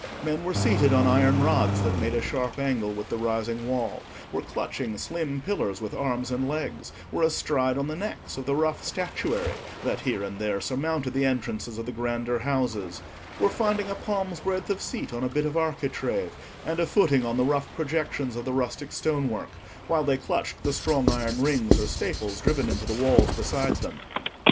Men were seated on iron rods that made a sharp angle with the rising wall, were clutching slim pillars with arms and legs, were astride on the necks of the rough statuary that here and there surmounted the entrances of the grander houses, were finding a palm's breadth of seat on a bit of architrave, and a footing on the rough projections of the rustic stonework, while they clutched the strong iron rings or staples driven into the walls beside them.